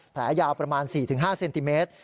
แผลยาวประมาณ๔๕เซนติเมตร